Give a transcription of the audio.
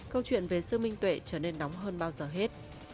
câu chuyện về sơ minh tuệ trở nên nóng hơn bao giờ hết